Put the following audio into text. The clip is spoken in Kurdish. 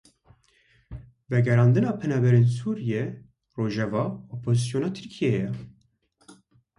Vegerandina penaberên Sûriyeyê rojeva opozîsyona Tirkiyeyê ye.